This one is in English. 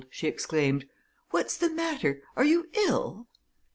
she exclaimed. "What 's the matter? Are you ill?"